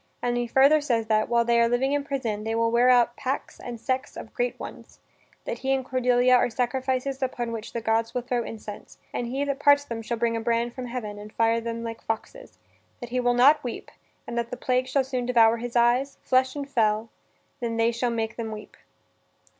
And he further says that, while they are living in prison, they will wear out "packs and sects of great ones"; that he and Cordelia are sacrifices upon which the gods will throw incense, and that he that parts them "shall bring a brand from heaven and fire them like foxes; that he will not weep, and that the plague shall sooner devour his eyes, flesh and fell, than they shall make them weep."